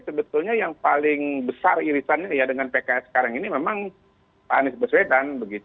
sebetulnya yang paling besar irisannya ya dengan pks sekarang ini memang pak anies baswedan